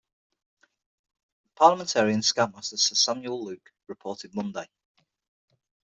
The Parliamentarian Scoutmaster Sir Samuel Luke reported Monday.